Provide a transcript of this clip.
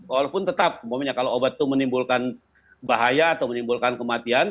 walaupun tetap kalau obat itu menimbulkan bahaya atau menimbulkan kematian